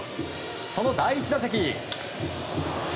その第１打席。